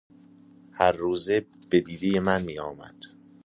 هر روزه بدیده من می آمد